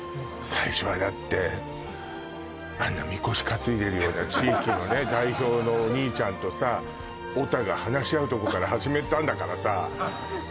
最初はだってあんなみこし担いでるような地域のね代表のお兄ちゃんとさオタが話し合うとこから始めたんだからさ歴史だよ